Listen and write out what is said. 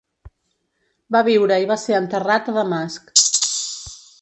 Va viure i va ser enterrat a Damasc.